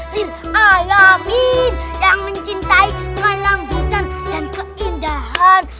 lil'alamin yang mencintai kelembutan dan keindahan